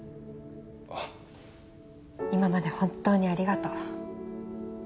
今まで本当にありがとう。